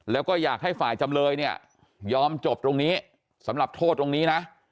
แล้วก็อยากให้ฝ่ายจำเลยเนี่ยยอมจบตรงนี้สำหรับโทษตรงนี้นะ